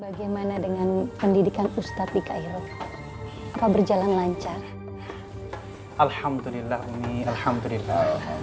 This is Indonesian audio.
bagaimana dengan pendidikan ustadz di kairul apa berjalan lancar alhamdulillah